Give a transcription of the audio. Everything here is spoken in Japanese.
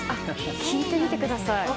聴いてみてください。